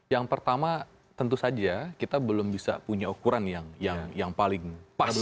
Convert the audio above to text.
yang pertama tentu saja kita belum bisa punya ukuran yang paling pas